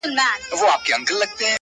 ،او د شپېلۍ آواز به غونډي درې وڅيرلې،